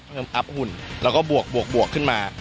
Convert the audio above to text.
อัพหุ่นแล้วก็บวกขึ้นมา